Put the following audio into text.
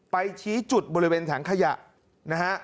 ชี้จุดบริเวณถังขยะนะฮะ